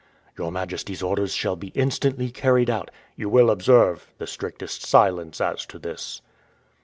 "Your majesty's orders shall be instantly carried out." "You will observe the strictest silence as to this."